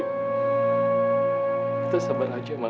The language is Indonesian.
kita sabar saja mak